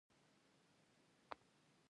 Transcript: پانګوال د آزادې سیالۍ مخالف وو